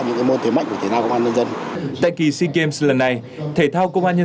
những cái môn thế mạnh của thể thao công an nhân dân tại kỳ sea games lần này thể thao công an nhân